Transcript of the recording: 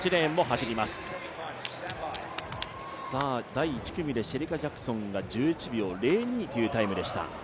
第１組でシェリカ・ジャクソンが１１秒０２というタイムでした。